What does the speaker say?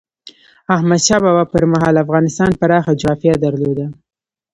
احمد شاه بابا پر مهال افغانستان پراخه جغرافیه درلوده.